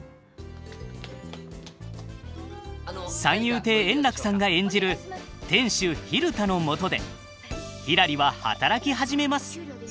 三遊亭円楽さんが演じる店主蛭田のもとでひらりは働き始めます。